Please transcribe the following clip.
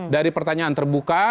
dari pertanyaan terbuka